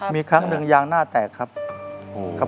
มีครั้งหนึ่งยางหน้าแตกครับ